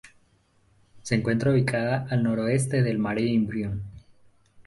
Se encuentra ubicada al noroeste del Mare Imbrium.